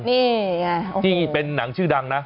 นี่ไงที่เป็นหนังชื่อดังนะ